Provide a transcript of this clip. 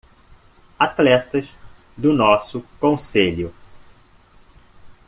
Atletas do nosso concelho.